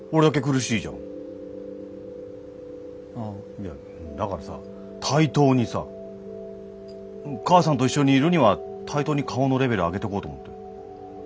いやだからさ対等にさ母さんと一緒にいるには対等に顔のレベル上げとこうと思って。